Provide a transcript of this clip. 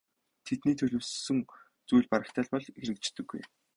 Тэдний төлөвлөсөн зүйл барагтай л бол хэрэгждэггүй.